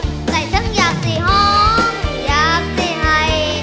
ใจฉันอยากสี่ห้องอยากสี่ไห่